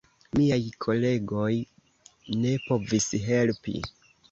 Miaj kolegoj ne povis helpi.